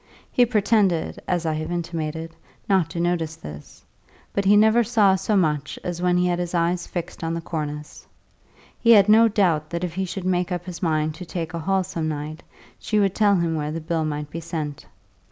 He pretended, as I have intimated, not to notice this; but he never saw so much as when he had his eyes fixed on the cornice. He had no doubt that if he should make up his mind to take a hall some night, she would tell him where the bill might be sent.